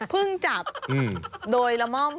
พึ่งจับโดยละม่อม